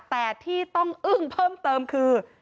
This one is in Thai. แต่ที่ต้องอึ้งเพิ่มเติมคือ